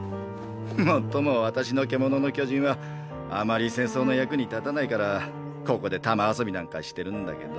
もっとも私の「獣の巨人」はあまり戦争の役に立たないからここで球遊びなんかしてるんだけど。